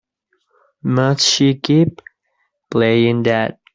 Must she keep playing that?